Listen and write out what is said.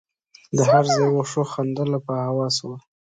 د هر ځای وښو خندله په هوس وه